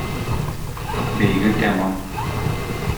Бәйге тәмам.